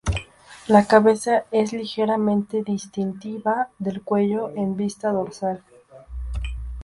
La cabeza es ligeramente distintiva del cuello en vista dorsal.